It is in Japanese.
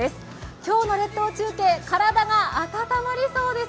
今日の列島中継、体が温まりそうです。